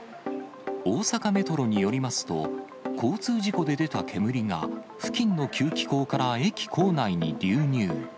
大阪メトロによりますと、交通事故で出た煙が、付近の吸気口から駅構内に流入。